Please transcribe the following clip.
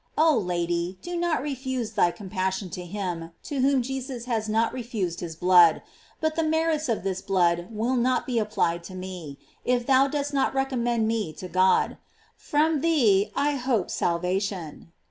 Oh Lady, do not refuse thy compassion to him to whom Jesus has not refused his blood ; but the merits of this blood will not be applied to me, if thou dost not recommend me to God, From thee I hope salvation.